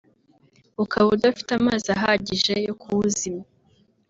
ukaba udafite amazi ahagije yo kuwuzimya